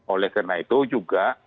oleh karena itu juga